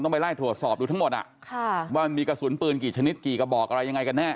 ไปไล่ตรวจสอบดูทั้งหมดว่ามีกระสุนปืนกี่ชนิดกี่กระบอกอะไรยังไงกันแน่